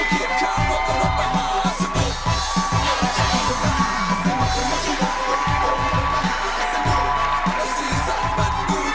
คือเหยียดข้างรถมหาสนุก